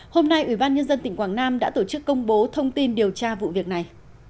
hôm nay ủy ban nhân dân tỉnh quảng nam đã tổ chức công bố thông tin điều tra vụ việc này